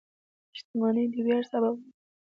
• شتمني د ویاړ سبب نه ده.